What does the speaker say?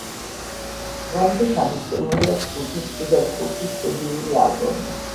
დღემდე გამოცემულია ჯგუფის კიდევ ხუთი სტუდიური ალბომი.